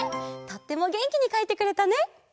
とってもげんきにかいてくれたね！